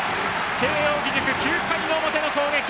慶応義塾、９回の表の攻撃。